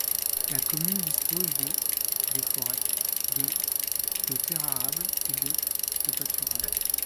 La commune dispose de de forêts, de de terres arables et de de pâturages.